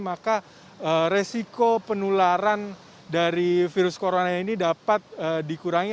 maka resiko penularan dari virus corona ini dapat dikurangi